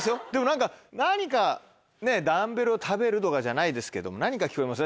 何か何かダンベルを食べるとかじゃないですけども何か聞こえますね。